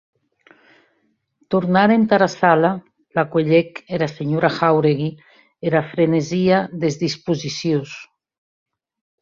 Tornant entara sala, la cuelhec ara senhora Jáuregui era frenesia des disposicions.